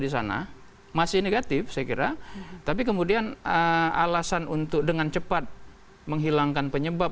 di sana masih negatif saya kira tapi kemudian alasan untuk dengan cepat menghilangkan penyebab